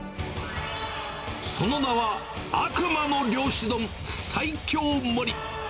その名は、悪魔の漁師丼最凶盛り。